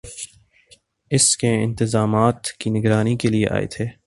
اس کے انتظامات کی نگرانی کیلئے آئے تھے